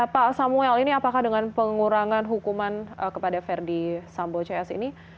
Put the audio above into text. pak samuel ini apakah dengan pengurangan hukuman kepada verdi sambo cs ini